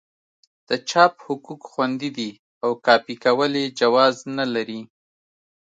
د چاپ حقوق خوندي دي او کاپي کول یې جواز نه لري.